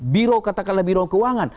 biro katakanlah biro keuangan